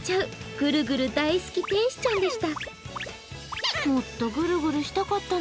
ぐるぐる大好き天使ちゃんでした。